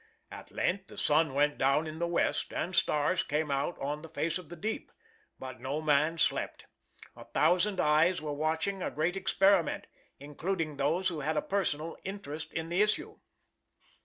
At length the sun went down in the west, and stars came out on the face of the deep. But no man slept. A thousand eyes were watching a great experiment, including those who had a personal interest in the issue.